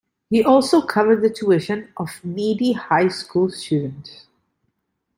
He also covered the tuition of needy high school students.